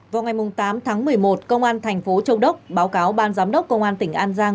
vào ngày tám tháng một mươi một công an thành phố châu đốc báo cáo ban giám đốc công an tỉnh an giang